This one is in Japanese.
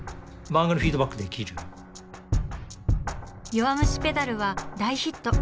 「弱虫ペダル」は大ヒット。